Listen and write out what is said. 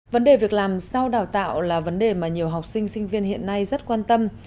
vấn đề việc làm sau đào tạo là vấn đề mà nhiều học sinh sinh viên hiện nay rất quan tâm